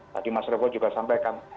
tadi mas revo juga sampaikan